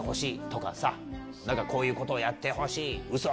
こういうことをやってほしい。